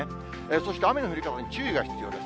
そして雨の降り方に注意が必要です。